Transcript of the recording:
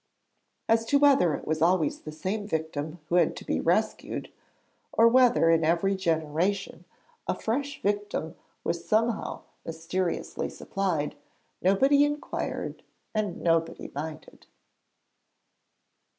As to whether it was always the same victim who had to be rescued, or whether in every generation a fresh victim was somehow mysteriously supplied, nobody inquired and nobody minded.